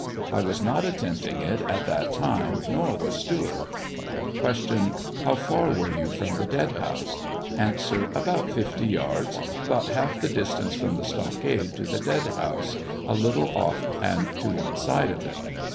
I was not attempting it at that time, nor was Stewart. Q. How far were you from the dead house 1 A. About 50 yards — about half the distance from the stockade to the dead house, a little off and to one side of it.